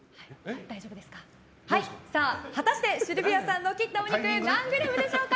果たしてシルビアさんの切ったお肉何グラムでしょうか。